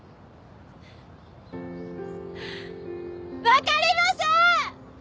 わかりません！